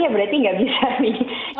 ya berarti nggak bisa nih